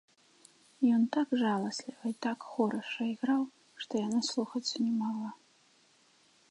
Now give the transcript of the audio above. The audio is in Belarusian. Ён так жаласліва і так хораша іграў, што я наслухацца не магла.